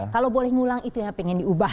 kalau boleh ngulang itu ya pengen diubah